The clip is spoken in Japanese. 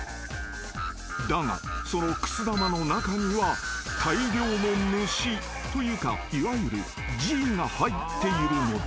［だがそのくす玉の中には大量の虫というかいわゆるＧが入っているのだ］